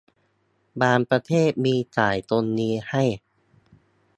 บางประเทศมีจ่ายตรงนี้ให้